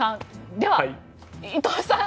では、伊藤さん